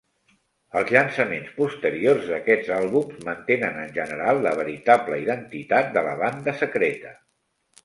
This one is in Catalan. Els llançaments posteriors d'aquests àlbums mantenen en general la veritable identitat de la banda secreta.